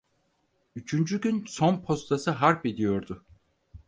Üçüncü gün son postası harp ediyordu.